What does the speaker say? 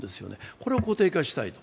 これを固定化したいと。